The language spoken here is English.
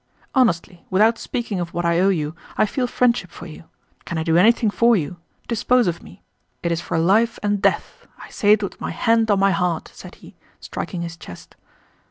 "Honestly, without speaking of what I owe you, I feel friendship for you. Can I do anything for you? Dispose of me. It is for life and death. I say it with my hand on my heart!" said he, striking his chest.